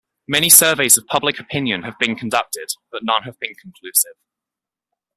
Many surveys of public opinion have been conducted, but none have been conclusive.